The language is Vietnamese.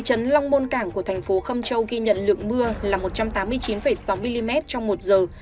thị trấn long môn cảng của thành phố khâm châu ghi nhận lượng mưa là một trăm tám mươi chín sáu mm trong một giờ